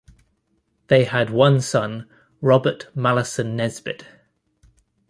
They had one son, Robert Malleson Nesbitt.